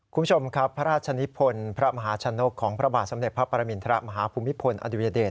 คุณผู้ชมครับพระราชนิพลพระมหาชนกของพระบาทสมเด็จพระปรมินทรมาฮภูมิพลอดุญเดช